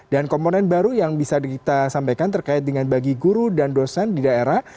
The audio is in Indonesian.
dan komponen baru yang bisa kita sampaikan terkait dengan bagi guru dan dosen di daerah